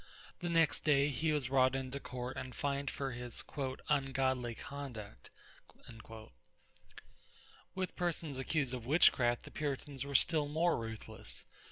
The next day he was brought into court and fined for "his ungodly conduct." With persons accused of witchcraft the Puritans were still more ruthless.